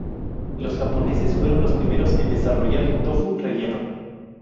Los japoneses fueron los primeros en desarrollar tofu relleno.